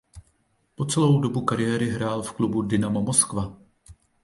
Po celou svou kariéru hrál v klubu Dynamo Moskva.